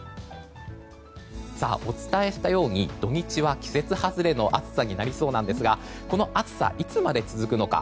お伝えしたように土日は季節外れの暑さになりそうなんですがこの暑さ、いつまで続くのか。